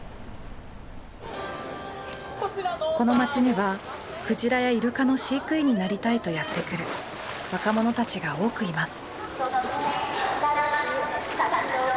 この町にはクジラやイルカの飼育員になりたいとやって来る若者たちが多くいます。